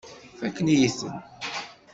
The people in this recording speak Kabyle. Fakken-iyi-ten.